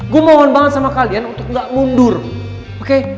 gue mohon banget sama kalian untuk gak mundur oke